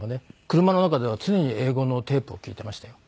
車の中では常に英語のテープを聞いていましたよ。